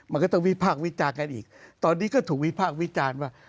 มันก็ต้องวิพากษ์วิจารณ์กันอีกตอนนี้ก็ถูกวิพากษ์วิจารณ์ว่า